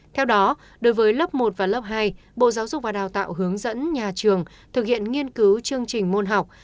theo đó đối với lớp một và lớp hai bộ giáo dục và đào tạo hướng dẫn nhà trường thực hiện nghiên cứu chương trình môn học